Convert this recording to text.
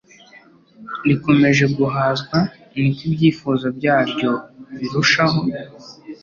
rikomeje guhazwa, ni ko ibyifuzo byaryo birushaho